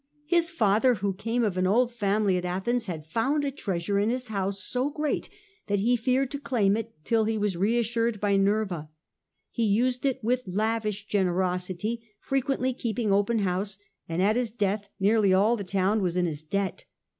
His father, who came of an old family at Athens, had found a treasure in his house so great that he feared to claim it till he was reassured by Nerva. He used it with lavish generosity, frequently keeping open house; and at his death nearly all the town was in his debt.